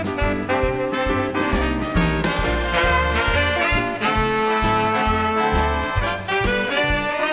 สวัสดีครับสวัสดีครับ